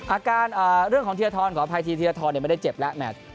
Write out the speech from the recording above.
อาการเรื่องของเทียร์ท้อนขออภัยทีเทียร์ท้อนไม่ได้เจ็บแล้ว